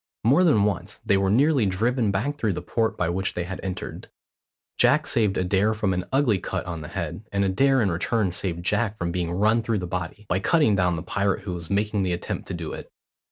More than once they were nearly driven back through the port by which they had entered. Jack saved Adair from an ugly cut on the head, and Adair in return saved Jack from being run through the body, by cutting down the pirate who was making the attempt to do it.